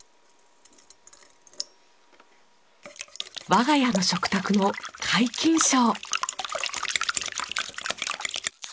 我が家の食卓の皆勤賞。